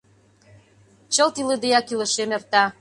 Чылт илыдеак илышем эрта